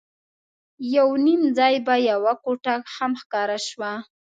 یو نیم ځای به یوه کوټه هم ښکاره شوه.